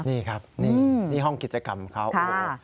นี่ครับนี่ห้องกิจกรรมเขา